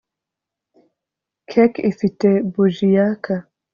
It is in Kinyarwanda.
Cake ifite buji yaka